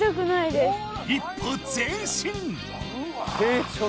一歩前進。